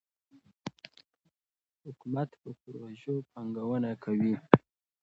حکومت په پروژو پانګونه کوي.